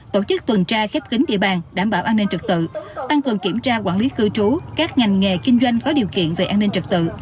tổ chức tuần tra khép kính địa bàn đảm bảo an ninh trực tự tăng cường kiểm tra quản lý cư trú các ngành nghề kinh doanh có điều kiện về an ninh trật tự